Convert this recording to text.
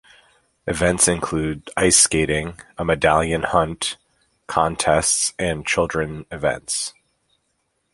Events include ice skating, a medallion hunt, contests and children events.